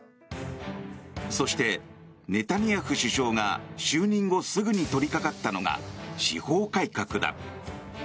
そしてネタニヤフ首相が就任後すぐに取りかかったのが司法改革だ。